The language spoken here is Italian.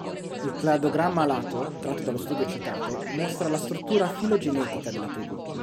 Il cladogramma a lato tratto dallo studio citato mostra la struttura filogenetica della tribù.